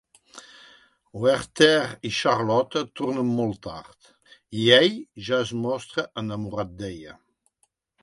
Werther i Charlotte tornen molt tard, i ell ja es mostra enamorat d'ella.